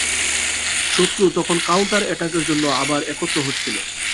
শত্রু তখন কাউন্টার অ্যাটাকের জন্য আবার একত্র হচ্ছিল।